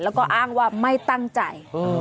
แล้วก็อ้างว่าไม่ตั้งใจ